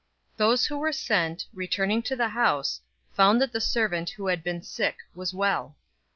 007:010 Those who were sent, returning to the house, found that the servant who had been sick was well.